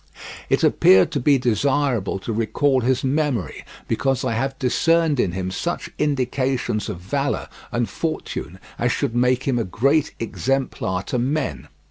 It appeared to be desirable to recall his memory, because I have discerned in him such indications of valour and fortune as should make him a great exemplar to men.